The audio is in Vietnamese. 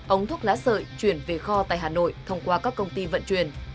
ống thuốc lá sợi chuyển về kho tại hà nội thông qua các công ty vận chuyển